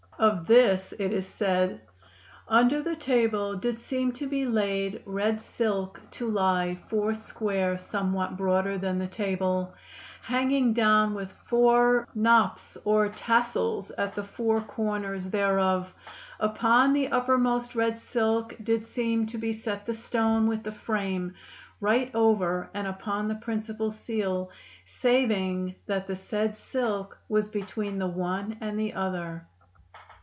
Of this it is said: "Under the table did seeme to be layd red sylk to lye four square somewhat broader than the table, hanging down with four knops or tassells at the four corners thereof. Uppon the uppermost red silk did seme to be set the stone with the frame, right over and uppon the principal seal, saving that the sayd sylk was betwene the one and the other."